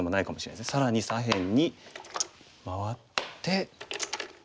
更に左辺に回って。